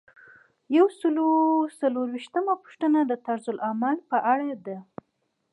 یو سل او یو څلویښتمه پوښتنه د طرزالعمل په اړه ده.